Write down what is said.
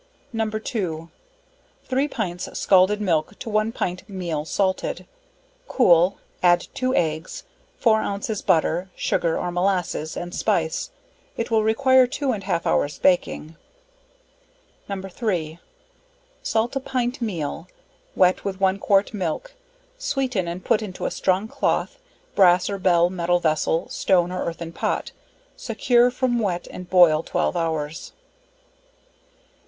No. 2. 3 pints scalded milk to one pint meal salted; cool, add 2 eggs, 4 ounces butter, sugar or molasses and spice q. f. it will require two and half hours baking. No. 3. Salt a pint meal, wet with one quart milk, sweeten and put into a strong cloth, brass or bell metal vessel, stone or earthern pot, secure from wet and boil 12 hours.